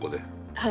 はい。